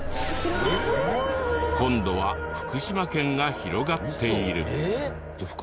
今度は福島県が広がっている。